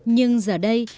nhưng giờ đây